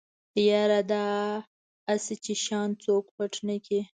يره دا اسې چې شيان څوک پټ نکي.